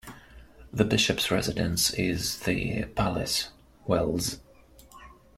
The Bishop's residence is The Palace, Wells.